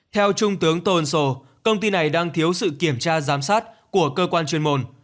theo trung tướng tô ân sô công ty này đang thiếu sự kiểm tra giám sát của cơ quan chuyên môn